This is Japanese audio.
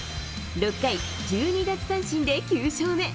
６回、１２奪三振で９勝目。